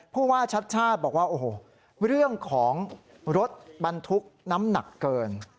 พูดว่าชัชชาศบอกว่าเรื่องของรถบรรทุกน้ำหนักเกิน